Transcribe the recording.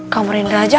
kamu rindah aja